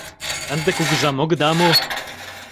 Ынде кугыжам огыда му!